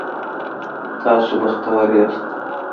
تاسو بختور یاست